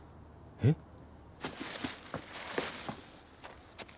えっ？